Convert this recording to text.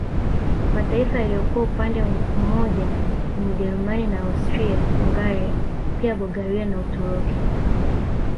Mataifa yaliyokuwa upande mmoja ni Ujerumani na Austria Hungaria pia Bulgaria na Uturuki